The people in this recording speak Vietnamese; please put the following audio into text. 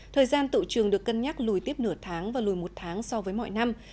thời gian tự trường được cân nhắc lùi tiếp nửa tháng và lùi một tháng so với mọi năm